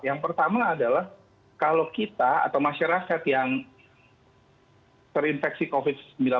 yang pertama adalah kalau kita atau masyarakat yang terinfeksi covid sembilan belas